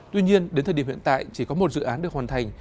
tuy nhiên đến thời điểm hiện tại chỉ có một dự án được hoàn thành